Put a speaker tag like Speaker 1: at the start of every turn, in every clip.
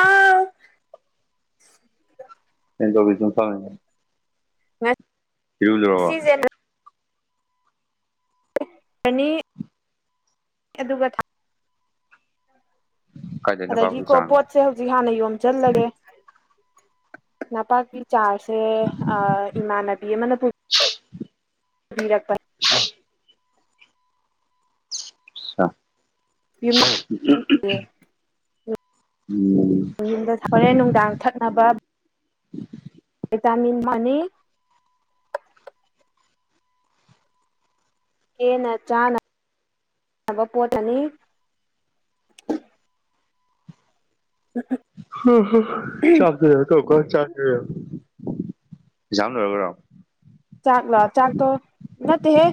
Speaker 1: ꯑꯥꯎ
Speaker 2: ꯑꯦ ꯑꯣꯐꯁ ꯐꯉ ꯊꯖ꯭ꯔꯣꯔꯕꯣ
Speaker 1: ꯉꯁꯤꯁꯦ ꯑꯅꯤ ꯑꯗꯨꯒ ꯊ
Speaker 2: ꯀꯥꯏꯗꯩ ꯅꯄꯥꯛꯄꯤ
Speaker 1: ꯑꯗꯒꯤꯀꯣ
Speaker 2: ꯆꯥꯡ
Speaker 1: ꯄꯣꯠꯁꯦ ꯍꯧꯖꯤꯛ ꯍꯥꯟꯅ ꯌꯣꯝꯁꯤꯜꯂꯒꯦ ꯅꯄꯥꯛꯀꯤ ꯆꯥꯔꯁꯦ ꯏꯃꯥꯟꯅꯕꯤ ꯑꯃꯅ ꯄꯨ
Speaker 2: ꯑꯆꯥ
Speaker 1: ꯌ
Speaker 2: ꯎꯝ
Speaker 1: ꯌꯨꯝꯗ ꯊꯣꯔꯦꯟ ꯅꯨꯡꯗꯥꯡ ꯊꯛꯅꯕ
Speaker 2: ꯎꯝ
Speaker 1: ꯚꯇꯤꯟ ꯃ ꯍꯦꯟꯅ ꯆꯥꯅꯕ ꯄꯣꯠ ꯑꯅꯤ
Speaker 2: ꯍ ꯍ ꯆꯕꯗꯅ ꯇꯧꯀ ꯖꯥꯝ ꯂꯔꯔꯕ꯭ꯔꯣ
Speaker 1: ꯆꯥꯛꯂꯥꯛ ꯆꯥꯛ ꯇ ꯅꯠꯇ ꯍꯦ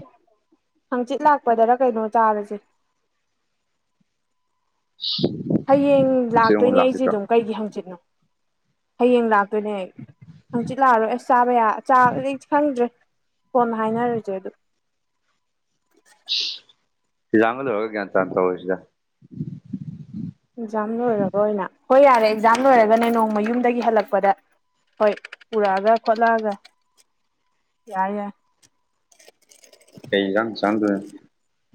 Speaker 1: ꯍꯪꯆꯤꯠ ꯂꯥꯛꯄꯗꯔ ꯀꯩꯅꯣ ꯆꯥꯔꯁꯦ ꯍꯌꯦꯡ
Speaker 2: ꯉꯁꯤ ꯑꯃꯨꯛ
Speaker 1: ꯂꯥꯛꯇꯣꯏꯅꯦ ꯑꯩꯁꯦ
Speaker 2: ꯂꯥꯛꯈꯤꯗ꯭ꯔꯣ
Speaker 1: ꯑꯗꯨꯝ ꯀꯩꯒꯤ ꯍꯪꯆꯤꯠꯅꯣ ꯍꯌꯦꯡ ꯂꯥꯛꯇꯣꯏꯅꯦ ꯍꯪꯆꯤꯠ ꯂꯥꯛꯑꯔꯣꯏ ꯑꯁ ꯆꯥꯕ ꯌꯥ ꯆꯥꯕꯗꯤ ꯈꯪꯗ꯭ꯔꯦ ꯍꯥꯏꯅꯔꯁꯦ ꯑꯗꯨ
Speaker 2: ꯑꯦꯛꯖꯥꯝꯒ ꯂꯣꯏꯔꯥ ꯒ꯭ꯌꯥꯟ ꯇꯥꯅ ꯇꯧꯔꯁꯤꯗ
Speaker 1: ꯑꯦꯛꯖꯥꯝ ꯂꯣꯏꯔꯒ ꯑꯣꯏꯅ ꯍꯣꯏ ꯌꯥꯔꯦ ꯑꯦꯛꯖꯥꯝ ꯂꯣꯏꯔꯒꯅꯦ ꯅꯣꯡꯃ ꯌꯨꯝꯗꯒꯤ ꯍꯜꯂꯛꯄꯗ ꯍꯣꯏ ꯎꯔꯛꯑꯒ ꯈꯣꯠꯂꯛꯑꯒ ꯌꯥꯔꯦ ꯌꯥꯔꯦ
Speaker 2: [unintelligible]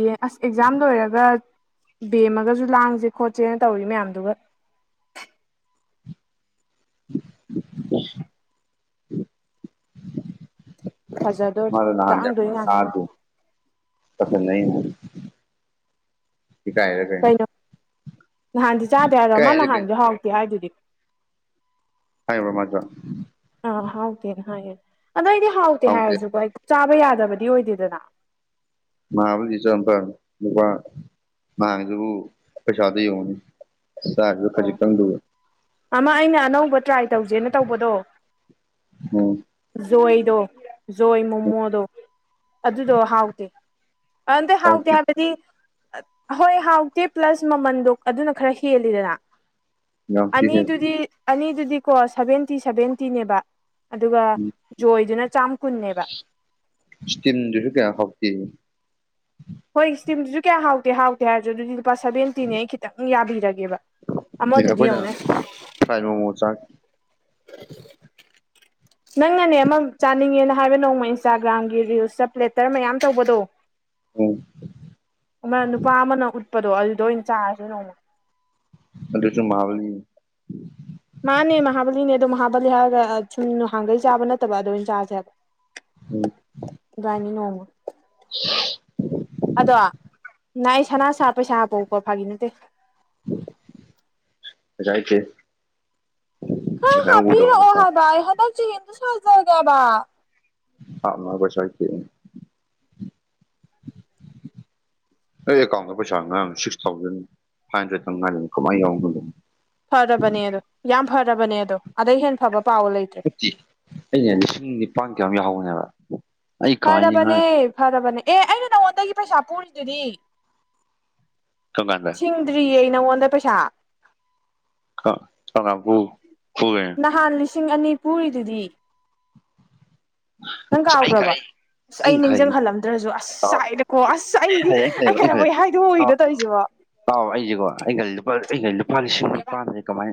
Speaker 1: ꯑꯦ ꯑꯁ ꯑꯦꯛꯖꯥꯝ ꯂꯣꯏꯔꯒ ꯕꯦꯝꯃꯒꯁꯨ ꯂꯥꯡꯁꯦ ꯈꯣꯠꯁꯦꯅ ꯇꯧꯔꯤ ꯃꯌꯥꯝꯗꯨꯒ ꯐꯖꯗꯣꯔꯤ
Speaker 2: ꯃꯥꯗꯨ ꯅꯍꯥꯟꯗ
Speaker 1: ꯂꯥꯡꯗꯣꯏ ꯉꯥꯛꯇꯅꯤ
Speaker 2: [unintelligible] ꯇꯥꯁꯤꯟꯅꯩꯅꯦ ꯏꯀꯥꯏꯔꯤꯔꯥ ꯀꯩꯅꯣ
Speaker 1: ꯅꯍꯥꯟꯗꯤ ꯆꯥꯗꯦ ꯍꯥꯏꯔꯣ ꯃꯥ
Speaker 2: ꯏꯀꯥꯏꯔꯤꯔ ꯀꯩꯅꯣ
Speaker 1: ꯅꯍꯥꯟꯁꯨ ꯍꯥꯎꯇꯦ ꯍꯥꯏꯗꯨꯗꯤ
Speaker 2: ꯍꯥꯏꯕ꯭ꯔꯥ ꯃꯥꯁꯨ
Speaker 1: ꯑ ꯍꯥꯎꯇꯦꯅꯦ ꯍꯥꯏꯦꯌꯦ ꯑꯗꯣ ꯑꯩꯗꯤ ꯍꯥꯎꯇꯦ ꯍꯥꯏꯔꯁꯨꯀꯣ ꯆꯥꯕ ꯌꯥꯗꯕꯗꯤ ꯑꯣꯏꯗꯦꯗꯅ
Speaker 2: ꯃꯍꯥꯕꯂꯤ ꯆꯠꯂꯝ ꯐꯕꯅꯦ ꯅꯨꯕꯥ ꯅꯥꯍꯟꯒꯤꯗꯨꯕꯨ ꯄꯩꯁꯥꯗꯣ ꯌꯦꯡꯉꯨꯅꯦ ꯆꯔꯤꯕ ꯈꯖꯤꯛꯇꯪꯗꯨꯒ
Speaker 1: ꯑꯃ ꯑꯩꯅ ꯑꯅꯧꯕ ꯇ꯭ꯔꯥꯏ ꯇꯧꯖꯦꯅ ꯇꯧꯕꯗꯣ
Speaker 2: ꯎꯝ
Speaker 1: ꯈꯣꯏꯗꯣ ꯈꯣꯏ ꯃꯣꯃꯣꯗꯣ ꯑꯗꯨꯗꯣ ꯍꯥꯎꯗꯦ ꯍꯥꯎꯗꯦ
Speaker 2: ꯍꯥꯎꯇꯦ
Speaker 1: ꯍꯥꯏꯕꯗꯤ ꯍꯣꯏ ꯍꯥꯎꯇꯦ ꯄ꯭ꯂꯁ ꯃꯃꯟꯗꯣ ꯑꯗꯨꯅ ꯈꯔ ꯍꯦꯜꯂꯤꯗꯅ
Speaker 2: ꯌꯥꯝ ꯊꯤ ꯍꯦꯟ
Speaker 1: ꯑꯅꯤꯗꯨꯗꯤ ꯑꯅꯤꯗꯨꯗꯤꯀꯣ ꯁꯚꯦꯟꯇꯤ ꯁꯚꯦꯟꯇꯤꯅꯦꯕ ꯑꯗꯨꯒ ꯖꯣꯏꯗꯨꯅ ꯆꯥꯝ ꯀꯨꯟꯅꯦꯕ
Speaker 2: ꯁ꯭ꯇꯤꯝꯗꯨꯁꯨ ꯀꯌꯥ ꯍꯥꯎꯇꯦ
Speaker 1: ꯍꯣꯢ ꯁ꯭ꯇꯤꯝꯗꯨꯁꯨ ꯀꯌꯥ ꯍꯥꯎꯇꯦ ꯍꯥꯎꯇꯦ ꯍꯥꯏꯔꯁꯨ ꯑꯗꯨꯗꯤ ꯂꯨꯄꯥ ꯁꯚꯦꯟꯇꯤꯅꯦ ꯑꯩ ꯈꯤꯇꯪ ꯌꯥꯕꯤꯔꯒꯦ ꯑꯃꯗꯨꯗꯤ
Speaker 2: ꯑꯩꯈꯣꯏꯅ
Speaker 1: ꯌꯦꯡꯎꯅꯦ
Speaker 2: ꯐ꯭ꯔꯥꯏ ꯃꯣꯃꯣ ꯆꯥ
Speaker 1: [inaudible] ꯅꯪꯅꯅꯦ ꯑꯃ ꯆꯥꯅꯤꯡꯉꯦꯅ ꯍꯥꯏꯕ ꯅꯣꯡꯃ ꯏꯟꯁꯇꯥꯒ꯭ꯔꯥꯝꯒꯤ ꯔꯤꯜꯁꯇ ꯄ꯭ꯂꯦꯇꯔ ꯃꯌꯥꯝ ꯇꯧꯕꯗꯣ
Speaker 2: [inaudible]
Speaker 1: ꯑꯃ ꯅꯨꯄꯥ ꯑꯃꯅ ꯎꯠꯄꯗꯣ ꯑꯗꯨꯗ ꯑꯣꯏꯅ ꯆꯥꯔꯁꯦ ꯅꯣꯡꯃ
Speaker 2: ꯑꯗꯨꯁꯨ ꯃꯍꯥꯕꯥꯂꯤ
Speaker 1: ꯃꯥꯅꯦ ꯃꯍꯥꯕꯂꯤꯅꯦ ꯑꯗꯣ ꯃꯍꯥꯕꯂꯤ ꯍꯥꯏꯔꯒ ꯁꯨꯝ ꯅꯍꯥꯡꯒꯩ ꯆꯥꯕ ꯅꯠꯇꯕ ꯑꯗꯨꯗ ꯑꯣꯏꯅ ꯆꯥꯁꯦ ꯍꯥꯏꯕ
Speaker 2: ꯎꯝ
Speaker 1: ꯏꯕꯥꯏꯅꯤ ꯅꯣꯡꯃ ꯑꯗꯣ ꯉꯪ ꯑꯩ ꯁꯅꯥ ꯁꯥꯕ ꯄꯩꯁꯥ ꯍꯥꯞꯄꯣꯀꯣ ꯐꯥꯒꯤ ꯅꯠꯇꯦ [inaudible]
Speaker 2: ꯄꯩꯁꯥ ꯂꯩꯇꯦ
Speaker 1: ꯈꯔ ꯍꯥꯞꯄꯤꯔꯛꯑꯣ
Speaker 2: [unintelligible]
Speaker 1: ꯍꯥꯏꯕ [unintelligible]
Speaker 2: [unintelligible]
Speaker 1: [inaudible]
Speaker 2: ꯑꯩ ꯑꯦꯀꯥꯎꯟꯗ ꯄꯩꯁꯥ ꯉꯔꯥꯡ ꯁꯤꯛꯁ ꯊꯥꯎꯖꯟ ꯐꯥꯏꯚ ꯍꯟꯗ꯭ꯔꯦꯗꯇꯪ ꯉꯥꯏꯂꯩꯔꯝꯃꯤ ꯀꯃꯥꯏꯅ ꯌꯥꯎꯔꯝꯗꯔ꯭ꯤꯅꯣ
Speaker 1: ꯐꯔꯕꯅꯦ ꯑꯗꯣ ꯌꯥꯝ ꯐꯔꯕꯅꯦ ꯑꯗꯣ ꯑꯗꯩ ꯍꯦꯝ ꯐꯕ ꯄꯥꯎ ꯂꯩꯇ꯭ꯔꯦ
Speaker 2: ꯐꯠꯇꯤ ꯑꯩꯅ ꯂꯤꯁꯤꯡ ꯅꯤꯄꯥꯟ ꯀꯌꯥꯝ ꯌꯥꯎꯍꯧꯕꯅꯦꯕ ꯑꯩ ꯀꯃꯥꯏꯅ
Speaker 1: ꯐꯔꯕꯅꯦ
Speaker 2: ꯉꯥꯏ
Speaker 1: ꯐꯔꯕꯅꯦ ꯑꯦ ꯑꯩꯅ ꯅꯉꯣꯟꯗꯒꯤ ꯄꯩꯁꯥ ꯄꯨꯔꯤꯗꯨꯗꯤ
Speaker 2: ꯀꯔꯝ ꯀꯥꯟꯗ
Speaker 1: ꯗ꯭ꯔꯤꯌꯦ ꯑꯩ ꯅꯉꯣꯟꯗ ꯄꯩꯁꯥ
Speaker 2: [unintelligible]
Speaker 1: ꯅꯍꯥꯟ ꯂꯤꯁꯤꯡ ꯑꯅꯤ ꯄꯨꯔꯤꯗꯨꯗꯤ ꯅꯪ
Speaker 2: ꯑꯁ ꯑꯩ
Speaker 1: ꯀꯥꯎꯈꯔ꯭ꯕꯣ
Speaker 2: ꯈꯥꯏ
Speaker 1: ꯑꯁ ꯑꯩ ꯅꯤꯡꯖꯪꯍꯜꯂꯝꯗ꯭ꯔꯁꯨ ꯑꯁ
Speaker 2: ꯇꯥꯎ
Speaker 1: ꯆꯥꯛꯑꯦꯗꯀꯣ ꯑꯁ ꯑꯩꯗꯤ ꯑꯩ ꯀꯩꯗꯧꯕꯒꯤ
Speaker 2: ꯇꯥꯎ
Speaker 1: ꯍꯥꯏꯗꯣꯛꯎꯏꯅꯣ ꯇꯧꯔꯤꯁꯤꯕꯣ
Speaker 2: ꯑꯩꯁꯦꯀꯣ ꯑꯩꯈꯜꯂꯤꯁꯦ ꯂꯨꯄꯥ ꯑꯩꯒꯤ ꯂꯨꯄꯥ ꯂꯤꯁꯤꯡ ꯅꯤꯄꯥꯥꯟꯁꯦ ꯀꯃꯥꯏꯅ [inaudible]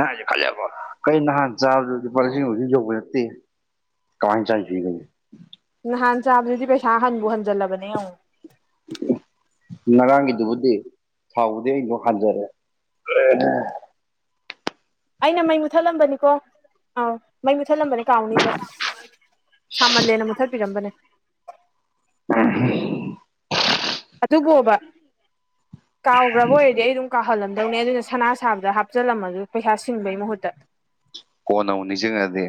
Speaker 2: ꯅꯠꯇꯦ ꯀꯃꯥꯏ [unintelligible]
Speaker 1: ꯅꯍꯥꯟ ꯆꯥꯕꯗꯨꯗꯤ ꯄꯩꯁꯥ ꯍꯟꯕꯨ ꯍꯟꯖꯜꯂꯕꯅꯦ ꯑ
Speaker 2: ꯉꯔꯥꯡꯒꯤꯗꯨꯕꯨꯗꯤ ꯊꯥꯎꯕꯨꯗꯤ ꯑꯩꯁꯨꯣ ꯍꯟꯖꯔꯦ
Speaker 1: ꯑꯩꯅ ꯃ ꯃꯨꯊꯠꯂꯝꯕꯅꯤꯀꯣ ꯑꯥ ꯃꯨ ꯃꯨꯠꯊꯠꯂꯝꯕꯅꯦ ꯀꯥꯎꯅꯤꯕ ꯁꯥꯃꯜꯂꯦꯅ ꯃꯨꯠꯊꯠꯄꯤꯔꯝꯕꯅꯦ
Speaker 2: ꯑ
Speaker 1: ꯑꯗꯨꯕꯨꯣꯕ ꯀꯥꯎꯈ꯭ꯔꯕ ꯑꯣꯏꯔꯗꯤ ꯑꯩ ꯑꯗꯨꯝ ꯀꯥꯍꯜꯂꯝꯅꯤ ꯑꯗꯨꯧꯅꯦ ꯑꯗꯨꯅ ꯁꯅꯥ ꯁꯥꯕꯗ ꯍꯥꯞꯆꯤꯜꯂꯝꯃꯁꯨ ꯄꯩꯁꯥ ꯁꯤꯡꯕꯩ ꯃꯍꯨꯠꯇ
Speaker 2: ꯀꯣꯟꯅꯧꯅꯤꯁꯤꯡꯗꯦ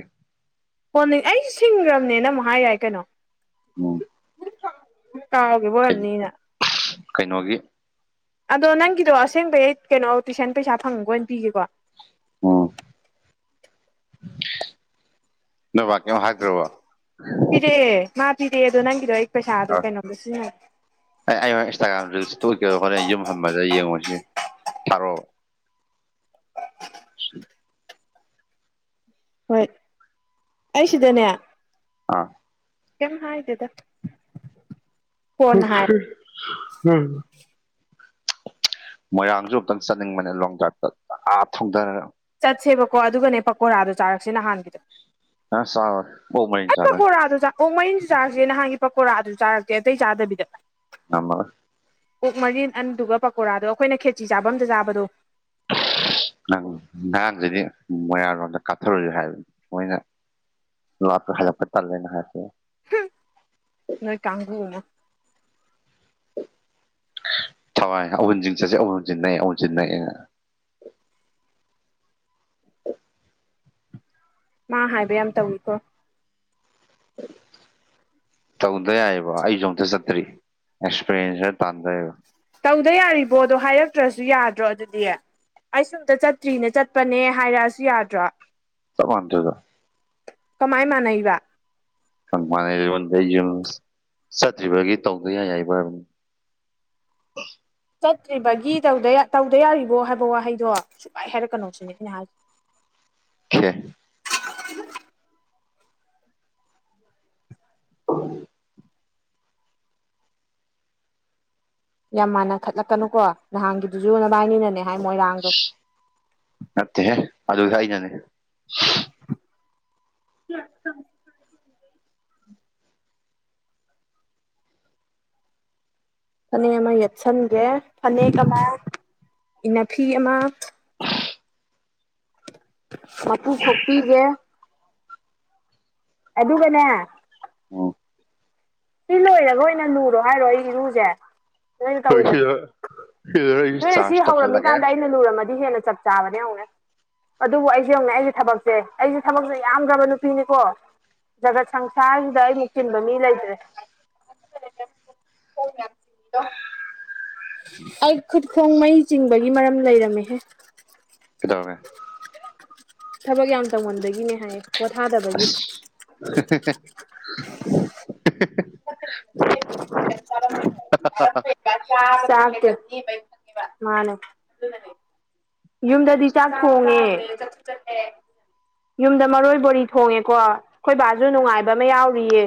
Speaker 1: ꯍꯣꯟꯅꯤꯡ ꯑꯩꯁꯨ ꯁꯤꯡꯈ꯭ꯔꯕꯅꯦꯅ ꯑꯃꯨꯛ ꯍꯥꯏ ꯌꯥꯏ ꯀꯩꯅꯣ
Speaker 2: ꯎꯝ
Speaker 1: ꯇꯥꯒꯦꯕꯨꯅꯤꯅ
Speaker 2: ꯀꯩꯅꯣꯒꯤ
Speaker 1: ꯑꯗꯣ ꯅꯪꯒꯤꯗꯣ ꯑꯁꯦꯡꯕ ꯍ ꯀꯩꯅꯣ ꯇꯨꯏꯁꯟ ꯄꯩꯁꯥ ꯐꯪꯕ ꯑꯣꯏꯅ ꯄꯤꯒꯦꯀꯣ
Speaker 2: ꯑ ꯅꯚ ꯀꯩꯣ ꯍꯥꯏꯗ꯭ꯔꯕ
Speaker 1: ꯀꯤꯗ ꯑꯣꯪꯒꯤꯗꯣ ꯑꯩ ꯄꯩꯁꯥꯗꯣ ꯀꯩꯅꯣꯝ ꯁꯤꯖꯤꯟꯅꯔꯒꯦ
Speaker 2: ꯑꯩ ꯑꯩ ꯏꯟꯁꯇꯥꯒ꯭ꯔꯥꯝꯗꯨꯣꯛꯀꯦ ꯍꯣꯔꯦꯟ ꯌꯨꯝ ꯍꯟꯕꯗ ꯌꯦꯡꯉꯨꯁꯤꯦ ꯊꯔꯣ
Speaker 1: ꯍꯣꯏ ꯑꯩ ꯁꯤꯗꯅꯦ
Speaker 2: ꯑꯥ
Speaker 1: ꯀꯦꯝ ꯍꯥꯏꯗꯦꯗ ꯀꯣꯟꯅ ꯍꯥꯏ
Speaker 2: ꯎꯝ ꯃꯣꯏꯔꯥꯡꯁꯨ ꯑꯨꯛꯇꯪ ꯆꯠꯅꯤꯡꯕꯅꯦ ꯂꯣꯡ ꯗ꯭ꯔꯥꯏꯞꯇ ꯑꯥ ꯊꯣꯡꯊꯔꯒ
Speaker 1: ꯆꯠꯁꯦꯕꯀꯣ ꯑꯗꯨꯒꯅꯦ ꯄꯀꯣꯔꯥꯗꯣ ꯆꯥꯔꯛꯁꯦ ꯅꯍꯥꯟꯒꯤꯗꯣ
Speaker 2: ꯑ ꯆꯥꯎꯉ
Speaker 1: ꯑꯩ ꯄꯀꯣꯔꯥꯗꯣ ꯆ ꯑꯣ ꯃꯔꯤꯟꯁꯨ ꯆꯥꯔꯁꯦ ꯅꯍꯥꯟꯒꯤ ꯄꯀꯣꯔꯥ ꯑꯗꯨ ꯆꯥꯔꯛꯀꯦ ꯑꯇꯩ ꯆꯥꯗꯕꯤꯗ
Speaker 2: ꯑꯃ
Speaker 1: ꯑꯣꯛ ꯃꯔꯤꯟ ꯑꯗꯨꯒ ꯄꯀꯣꯔꯥꯗꯣ ꯑꯩꯈꯣꯏꯅ ꯈꯦꯆꯤ ꯆꯥꯕ ꯑꯝꯗ ꯆꯥꯕꯗꯣ
Speaker 2: ꯑꯔꯥꯡꯁꯤꯗꯤ ꯃꯣꯏꯌꯥꯥꯡꯔꯣꯝꯗ ꯀꯥꯞꯊꯔꯨꯁꯤ ꯍꯥꯏꯕꯅꯤ ꯃꯣꯏꯅ ꯂꯇ ꯍꯥꯏꯖ ꯇꯥꯅ ꯍꯥꯏꯁꯦ
Speaker 1: ꯅꯣꯏ ꯀꯥꯡꯕꯨ ꯑꯃ
Speaker 2: ꯊꯋꯥꯏ ꯑꯋꯟꯁꯤꯡ ꯆꯠꯁꯦ ꯎꯟꯁꯤꯟꯅꯩ ꯑꯨꯟ ꯁꯤꯟꯅꯑꯦꯅ
Speaker 1: ꯃꯥ ꯍꯥꯏꯕ ꯌꯥꯝ ꯇꯧꯋꯀꯣ
Speaker 2: ꯇꯧꯗ ꯌꯥꯏꯕ ꯑꯩꯁꯨ ꯑꯝꯇ ꯆꯠꯇ꯭ꯔꯤ ꯑꯦꯛꯁꯄꯔꯤꯌꯦꯟꯁ ꯈ ꯇꯥꯟꯊꯏꯕ
Speaker 1: ꯇꯧꯗ ꯌꯥꯔꯤꯕꯣ ꯑꯗꯣ ꯍꯥꯏꯔꯛꯇ꯭ꯔꯁꯨ ꯌꯥꯗ꯭ꯔꯣ ꯑꯗꯨꯗꯤ ꯑꯩꯁꯨꯝꯇ ꯆꯠꯇ꯭ꯔꯤꯅꯦ ꯆꯠꯄꯅꯦ ꯍꯥꯏꯔꯛꯑꯁꯨ ꯌꯥꯗ꯭ꯔꯣ
Speaker 2: ꯆꯞ ꯃꯥꯟꯅꯗꯕ
Speaker 1: ꯀꯃꯥꯏ ꯃꯥꯟꯅꯩꯕ
Speaker 2: ꯃꯥꯟꯅꯩꯔꯣꯟꯗ ꯑꯩ ꯌꯨꯝ ꯆꯠꯇ꯭ꯔꯤꯕꯒꯤ ꯇꯧꯗ ꯌꯥ ꯌꯥꯏꯕ
Speaker 1: [inaudible] ꯆꯠꯇ꯭ꯔꯤꯕꯒꯤ ꯇꯧꯗ ꯌꯥꯔꯤꯕꯣ ꯍꯥꯏꯕ ꯋꯥꯍꯩꯗꯣ ꯁꯨꯂꯥꯏ ꯍꯥꯏꯔꯛꯀꯅꯣ ꯁꯤꯅꯦ ꯑꯩꯅ ꯍꯥꯏ ꯍ
Speaker 2: ꯈꯦ
Speaker 1: [unintelligible]
Speaker 2: ꯍ
Speaker 1: ꯌꯥꯝ ꯃꯥꯟꯅ ꯈꯠꯂꯛꯀꯅꯨꯀꯣ ꯅꯍꯥꯟꯒꯤꯗꯨꯁꯨ ꯅꯚꯏꯅꯤꯅꯅꯦ
Speaker 2: ꯅꯠꯇꯦꯦ ꯑꯗꯨ ꯀꯅꯅꯦ
Speaker 1: ꯀ ꯐꯅꯦꯛ ꯑꯃ ꯌꯦꯠꯁꯟꯈ꯭ꯔꯦ ꯐꯅꯦꯛ ꯑꯃ ꯏꯅꯥꯐꯤ ꯑꯃ ꯃꯄꯨ ꯈꯣꯛꯄꯤꯒꯦ ꯑꯗꯨꯒꯅꯦ
Speaker 2: ꯎꯝ
Speaker 1: ꯁꯤ ꯂꯣꯏꯔꯒ ꯑꯣꯏꯅ ꯂꯨꯔꯣ ꯍꯥꯏꯔꯣ ꯑꯩ ꯏꯔꯨꯁꯦ ꯅꯣꯏꯅ
Speaker 2: ꯍꯣꯏ
Speaker 1: ꯇꯧꯔꯤꯕꯅꯤ
Speaker 2: ꯁꯤꯗ ꯁꯤꯗ ꯑꯩꯁꯨ
Speaker 1: ꯅꯣꯏꯅ ꯁꯤ
Speaker 2: ꯆꯥꯔꯖ ꯇꯧꯁꯜꯂꯒꯦ
Speaker 1: ꯍꯧꯔꯝꯃꯤꯀꯥꯟꯗ ꯑꯩꯅ ꯂꯨꯔꯝꯃꯗꯤ ꯍꯦꯟꯅ ꯆꯠꯄ ꯆꯥꯕꯅꯎꯒ ꯑꯗꯨꯕꯨ ꯑꯩꯁꯦ ꯌꯦꯡꯉ ꯑꯩꯁꯦ ꯊꯕꯛꯁꯦ ꯑꯩꯁꯦ ꯊꯕꯛꯁꯦ ꯌꯥꯝꯗ꯭ꯔꯕ ꯅꯨꯄꯤꯅꯤꯀꯣ ꯖꯒꯠ ꯁꯪꯁꯥꯔꯁꯤꯗ ꯑꯩ ꯃꯨꯛꯆꯤꯟꯕ ꯃꯤ ꯂꯩꯇ꯭ꯔꯦ [unintelligible] ꯑꯩ ꯈꯨꯠꯈꯣꯡ ꯃꯩ ꯆꯤꯡꯕꯒꯤ ꯃꯔꯝ ꯂꯩꯔꯝꯃꯦꯍꯦ
Speaker 2: ꯀꯗꯧꯔꯒꯦ
Speaker 1: ꯊꯕꯛ ꯌꯥꯝ ꯇꯧꯃꯟꯕꯒꯤꯅꯦ ꯍꯥꯏꯌꯦ ꯄꯣꯊꯥꯗꯕꯒꯤ
Speaker 2: ꯑꯁ [unintelligible]
Speaker 1: [inaudible] ꯃꯥꯅꯦ ꯌꯨꯝꯗꯗꯤ ꯆꯥꯛ ꯊꯣꯡꯉꯦ ꯌꯨꯝꯗ ꯃꯔꯣꯏ ꯕꯣꯔꯤ ꯊꯣꯡꯉꯦꯀꯣ ꯑꯩꯈꯣꯏ ꯕꯥꯁꯨ ꯅꯨꯡꯉꯥꯏꯕ ꯑꯃ ꯌꯥꯎꯔꯤꯌꯦ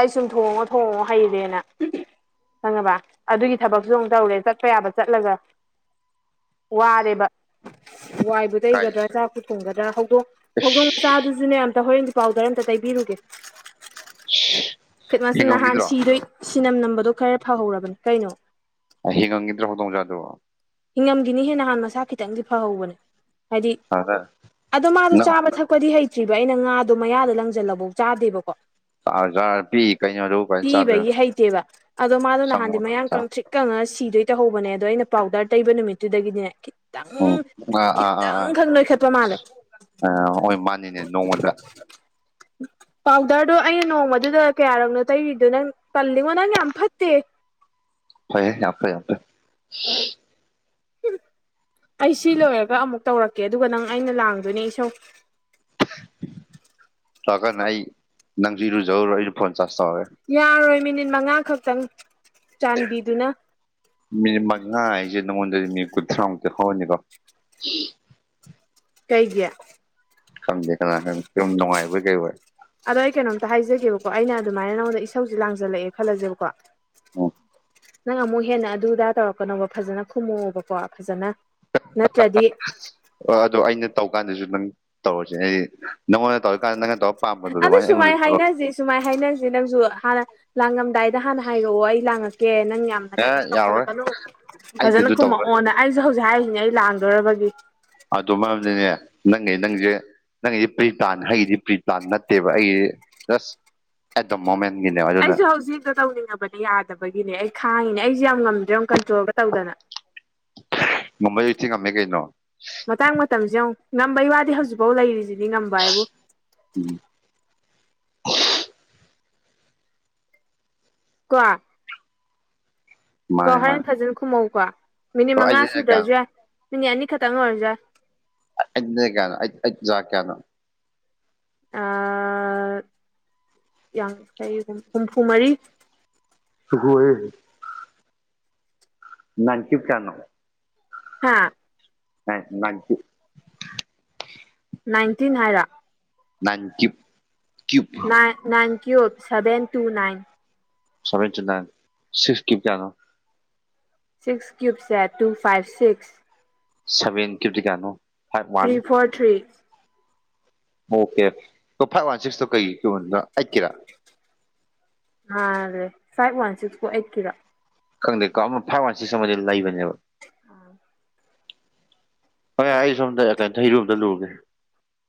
Speaker 1: ꯑꯩ ꯁꯨꯝ ꯊꯣꯡꯉꯣ ꯊꯣꯡꯉꯣ ꯍꯩꯔꯦꯅ ꯈꯪꯉꯕ ꯑꯗꯨꯒꯤ ꯊꯕꯛꯁꯨ ꯑꯃꯨꯛ ꯇꯧꯔꯦ ꯆꯠꯄ ꯌꯥꯕ ꯆꯠꯂꯒ ꯋꯥꯔꯦꯕ ꯋꯥꯏꯕꯨ
Speaker 2: ꯀꯥꯏ
Speaker 1: ꯇꯩꯒꯗ꯭ꯔꯥ ꯆꯥꯛꯄ ꯊꯣꯡꯒꯗ꯭ꯔꯥ ꯍꯧꯗꯣꯡ ꯍꯧꯗꯣꯡ ꯆꯥ [unintelligible] ꯈꯠꯃꯁ ꯅꯍꯥꯟ
Speaker 2: ꯍꯤꯡꯉꯝꯈꯤꯗ꯭ꯔꯣ
Speaker 1: ꯁꯤꯗꯣꯏ ꯁꯤꯅꯝ ꯅꯝꯕꯗꯣ ꯈꯔ ꯐꯍꯧꯔꯕꯅꯤ ꯀꯩꯅꯣ
Speaker 2: ꯍꯤꯡ ꯉꯪꯗ꯭ꯔ ꯍꯧ ꯇ ꯍꯧꯖꯥꯗ
Speaker 1: ꯍꯤꯡꯉꯝꯒꯤꯅꯤ ꯍꯦ ꯅꯍꯥꯟ ꯃꯁꯥ ꯈꯤꯇꯪꯗꯤ ꯐꯍꯧꯕꯅꯦ ꯍꯥꯏꯗꯤ
Speaker 2: ꯑꯗ
Speaker 1: ꯑꯗꯣ ꯃꯥꯗꯣ
Speaker 2: ꯅꯪ
Speaker 1: ꯆꯥꯕ ꯊꯛꯄꯗꯤ ꯍꯩꯇ꯭ꯔꯤ ꯑꯗꯣ ꯑꯩꯅ ꯉꯥꯗꯣ ꯃꯌꯥꯗ ꯂꯪꯁꯤꯜꯂꯐꯧ ꯆꯥꯗꯦꯕꯀꯣ
Speaker 2: ꯆꯥꯔ ꯄꯤ ꯀꯩꯅꯣ ꯑꯗꯨ ꯀꯃꯥꯏꯅ ꯆꯥꯗꯣꯏꯅꯣ
Speaker 1: ꯄꯤꯕꯒꯤ ꯍꯩꯇꯦꯕ ꯑꯗꯣ ꯃꯥꯗꯣ ꯅꯍꯥꯟꯗꯤ
Speaker 2: ꯁꯪꯉꯣ
Speaker 1: ꯃꯌꯥꯝ ꯀꯪ ꯊ꯭ꯔꯤꯛ ꯀꯪꯉꯒ ꯁꯤ ꯑꯗꯨꯩ ꯇꯧꯍꯧꯕꯅꯦ ꯑꯗꯣ ꯑꯩꯅ ꯄꯥꯎꯗꯔ ꯇꯩꯕ ꯅꯨꯃꯤꯠꯇꯨꯗꯒꯤꯅꯦ ꯈꯤꯇꯪ
Speaker 2: ꯎꯝ
Speaker 1: ꯈꯤꯇꯪ ꯈꯪ ꯅꯣꯏꯈꯠꯄ ꯃꯥꯜꯂꯦ
Speaker 2: ꯑ ꯍꯣꯏ ꯃꯥꯥꯟꯅꯤꯅꯦ ꯅꯣꯡꯃꯗ
Speaker 1: ꯄꯥꯎꯗꯔꯗꯣ ꯑꯩꯅ ꯅꯣꯡꯃꯗꯨꯗ ꯀꯌꯥꯔꯛꯅꯣ ꯇꯩꯔꯤꯗꯣ ꯅꯪ ꯄꯜꯂꯤꯉꯣ ꯅꯪ ꯌꯥꯝ ꯐꯠꯇꯦ
Speaker 2: ꯐꯩꯍꯦ ꯌꯝ ꯐꯩ ꯌꯝ ꯐꯩ
Speaker 1: ꯑꯩ ꯁꯤ ꯂꯣꯏꯔꯒ ꯑꯃꯨꯛ ꯇꯧꯔꯛꯀꯦ ꯑꯗꯨꯒ ꯅꯪ ꯑꯩꯅ ꯂꯥꯡꯗꯣꯏꯅꯦ ꯏꯁꯧ
Speaker 2: ꯂꯀꯥꯟꯗ ꯑꯩ ꯅꯪꯗꯤꯔꯨꯖꯧꯔꯣ ꯑꯩꯅ ꯐꯣꯟ ꯆꯥꯥꯁ ꯇꯧꯒꯦ
Speaker 1: ꯌꯥꯔꯣꯏ ꯃꯤꯅꯤꯠ ꯃꯉꯥ ꯈꯛꯇꯪ ꯆꯥꯟꯕꯤꯗꯨꯅ
Speaker 2: ꯃꯤꯅꯤꯠ ꯃꯉꯥ ꯍꯥꯏꯖꯦ ꯅꯪꯉꯣꯟꯗ ꯃꯤ ꯀ ꯊꯉꯛꯇ ꯍꯥꯎꯅꯤ ꯀꯣ
Speaker 1: ꯀꯩꯒꯤ
Speaker 2: ꯈꯝꯗꯦ ꯁꯨꯝ ꯅꯨꯡꯉꯥꯏꯕ ꯀꯩꯕꯣꯏ
Speaker 1: ꯑꯗꯣ ꯑꯩ ꯀꯩꯅꯣꯝꯇ ꯍꯥꯏꯖꯒꯦꯕꯀꯣ ꯑꯩꯅ ꯑꯗꯨꯃꯥꯏꯅ ꯅꯉꯣꯟꯗ ꯏꯁꯧꯁꯦ ꯂꯥꯡꯖꯜꯂꯛꯑꯦ ꯈꯜꯂꯁꯦꯕꯀꯣ
Speaker 2: ꯎꯝ
Speaker 1: ꯅꯪ ꯑꯃꯨꯛ ꯍꯦꯟꯅ ꯑꯗꯨꯗꯥ ꯇꯧꯔꯛꯀꯅꯣꯕ ꯐꯖꯅ ꯈꯨꯝꯃꯛꯛꯑꯣꯕꯀꯣ ꯐꯖꯅ ꯅꯠꯇ꯭ꯔꯗꯤ
Speaker 2: [unintelligible] ꯑꯗꯣ ꯑꯩꯅ ꯇꯧ ꯀꯥꯟꯗꯁꯨ ꯅꯪ ꯇꯧꯔꯁꯦ ꯍꯥꯏꯗꯤ ꯅꯪꯉꯣꯟꯗ ꯇꯧꯔꯀꯥꯟꯗ ꯅꯪ ꯇꯧ
Speaker 1: ꯑꯗꯨ ꯁꯨꯃꯥꯏ ꯍꯥꯏꯅꯁꯤ ꯁꯨꯃꯥꯏ ꯍꯥꯏꯅꯁꯤ ꯅꯪꯁꯨ ꯍꯥꯟꯅ ꯂꯥꯡꯉꯝꯗ ꯀꯗꯥꯏꯗ ꯍꯥꯟꯅ ꯍꯥꯏꯔꯛꯑꯣ ꯑꯩ ꯂꯥꯡꯉꯛꯀꯦ ꯅꯪ ꯌꯥꯝꯅ
Speaker 2: ꯑꯦ
Speaker 1: ꯀꯩꯅꯣ
Speaker 2: ꯌꯥꯔꯣꯏ
Speaker 1: ꯇꯧꯈꯠꯂꯛꯄꯅꯨ ꯐꯖꯅ
Speaker 2: ꯑꯩꯗꯁꯨ ꯇꯧꯔꯣꯏ
Speaker 1: ꯀꯨꯝꯃꯛꯑꯣꯅ ꯑꯩꯁꯨ ꯍꯧꯖꯤꯛ ꯍꯥꯏꯔꯤꯉꯩ ꯂꯥꯡꯗꯔꯕꯒꯤ
Speaker 2: ꯑꯗꯨ ꯃꯔꯗꯤꯅꯦ ꯅꯪꯉ ꯅꯪꯁꯦ ꯅꯪꯒꯤꯗꯤ ꯄ꯭ꯔꯤ ꯄ꯭ꯂꯥꯟ ꯑꯩꯒꯤꯗꯤ ꯄ꯭ꯔꯤ ꯄ꯭ꯂꯥꯟ ꯅꯠꯇꯦꯕ ꯑꯩꯒꯤꯗꯤ ꯖꯁ ꯑꯦꯠ ꯗ ꯃꯣꯃꯦꯟ
Speaker 1: ꯑꯩꯁꯨ ꯍꯧꯖꯤꯛ ꯍꯦꯛꯇ ꯇꯧꯅꯤꯡꯉꯕꯅꯦ ꯌꯥꯗꯕꯒꯤꯅꯦ ꯑꯩ ꯈꯥꯡꯉꯤꯅꯦ ꯑꯩꯁꯨꯦ ꯌꯥꯝ ꯉꯝꯗ꯭ꯔꯦ ꯑꯃꯨꯛ ꯀꯟꯇ꯭ꯔꯣꯜꯒ ꯇꯧꯗꯅ
Speaker 2: ꯉꯝꯕꯩꯗꯤ ꯊꯤ ꯉꯝꯃꯦ ꯀꯩꯅꯣ
Speaker 1: ꯃꯇꯥꯡ ꯃꯇꯝꯁꯤ ꯌꯦꯡꯉꯣ ꯉꯝꯕꯩ ꯋꯥꯗꯤ ꯍꯧꯖꯤꯛꯐꯥꯎ ꯂꯩꯔꯤꯁꯤꯗꯤ ꯉꯝꯕ ꯍꯥꯏꯕꯨ
Speaker 2: ꯎꯝ
Speaker 1: ꯀꯣ ꯀꯣ
Speaker 2: ꯃꯥꯅꯦ
Speaker 1: ꯍꯣꯔꯦꯟ
Speaker 2: ꯃꯥꯅꯦ
Speaker 1: ꯐꯖꯅ ꯈꯨꯝꯃꯧꯀꯣ ꯃꯤꯅꯤꯠ
Speaker 2: ꯑꯣ
Speaker 1: ꯃꯉꯥ
Speaker 2: ꯑꯩꯗꯅ ꯀꯌꯥꯅꯣ
Speaker 1: ꯁꯨꯗ꯭ꯔꯁꯨ ꯌꯥꯏ ꯃꯤ ꯑꯅꯤ ꯀ ꯇꯉ ꯑꯣꯏꯔꯖꯥ
Speaker 2: ꯀꯅꯣꯅꯣ
Speaker 1: ꯌꯥꯡꯈꯩ ꯍꯨꯝꯐꯨ ꯃꯔꯤ
Speaker 2: ꯑꯣꯏꯣꯏꯔ ꯅꯅꯤ ꯆꯤ ꯀꯅꯣ
Speaker 1: ꯍꯥꯥ
Speaker 2: ꯑꯦ ꯂꯀꯤ
Speaker 1: ꯅꯥꯏꯟꯇꯤꯟ ꯍꯥꯏꯔ
Speaker 2: ꯅꯅꯤ ꯀꯨꯝ
Speaker 1: ꯅꯥꯏ nine Q seven two nine
Speaker 2: ꯁꯃꯃꯦ ꯆ ꯁꯤꯐꯀꯤꯞ ꯀꯌꯥꯗꯣ
Speaker 1: ꯁꯤꯛꯁ ꯀ꯭ꯌꯨꯕꯁꯦ ꯇꯨ ꯐꯥꯏꯚ ꯁꯤꯛꯁ
Speaker 2: ꯁꯚꯦꯟ ꯀ꯭ꯗꯤꯀꯥꯅꯣ
Speaker 1: three four three
Speaker 2: okay five one ꯁꯤꯛꯁꯇꯣ ꯀꯩ ꯀꯗ ꯑꯩꯠꯀꯤꯔꯥ
Speaker 1: ꯑꯦ ꯐꯥꯏꯕ ꯋꯥꯟ ꯁꯤꯁ ꯐꯣꯔ ꯑꯩꯠ ꯀꯤꯂꯣ
Speaker 2: ꯈꯪꯗꯦ ꯀꯣ ꯑꯃ ꯐꯥꯎ ꯋꯥꯟꯁꯤ ꯁꯃ ꯂꯩꯕꯅꯦꯕ
Speaker 1: ꯑꯥ
Speaker 2: ꯍ ꯑꯩ ꯁꯣꯝꯗ ꯀꯩꯅ ꯆꯍꯤꯩꯔꯣꯝꯗ ꯂꯨꯔꯒꯦ